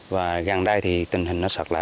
và gần đây thì tình hình nó sọt lở